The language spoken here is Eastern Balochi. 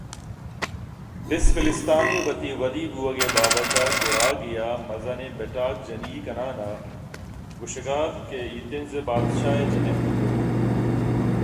پیسپلستانے وتی ودی بُوہگے بابتءَ گُراگےءَ مزنیں بٹاک جَنی ئے کنان ءَ گوٛشگءَات کہ آایتھنز ءِ بادشاہ ءِ جنک بُوتگ